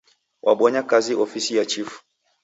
Wabonya kazi ofisi ya chifu.